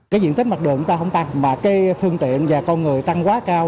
cái diện tích mặt đường chúng ta không tăng mà cái phương tiện và con người tăng quá cao